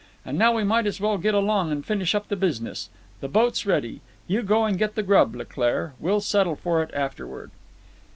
"And now we might as well get along and finish up the business. The boat's ready. You go and get the grub, Leclaire. We'll settle for it afterward."